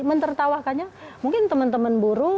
mentertawakannya mungkin teman teman buruh